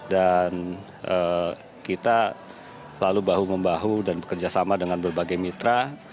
dan kita selalu bahu membahu dan bekerjasama dengan berbagai mitra